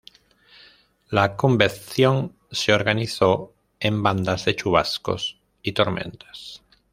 La convección se organizó en bandas de chubascos y tormentas.